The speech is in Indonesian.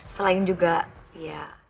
selain juga ya